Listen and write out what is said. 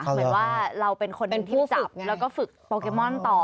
เหมือนว่าเราเป็นคนเป็นผู้จับแล้วก็ฝึกโปเกมอนต่อ